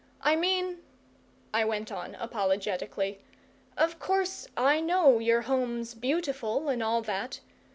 "I mean" I went on apologetically "of course I know your home's beautiful and all that.